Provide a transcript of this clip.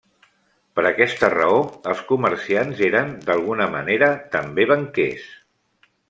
Per aquesta raó, els comerciants eren, d'alguna manera, també banquers.